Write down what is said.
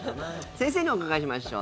先生にお伺いしましょう。